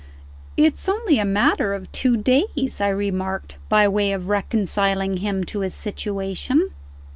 "It's only a matter of two days," I remarked, by way of reconciling him to his situation.